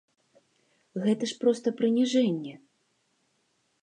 Гэта ж проста прыніжэнне.